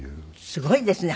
すごいですね！